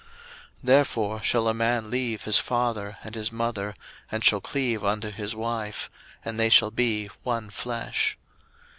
01:002:024 Therefore shall a man leave his father and his mother, and shall cleave unto his wife: and they shall be one flesh.